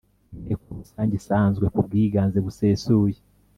inteko rusange isanzwe ku bwiganze busesuye